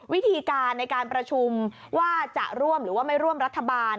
วิธีการในการประชุมว่าจะร่วมหรือว่าไม่ร่วมรัฐบาล